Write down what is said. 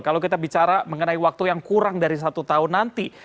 kalau kita bicara mengenai waktu yang kurang dari satu tahun nanti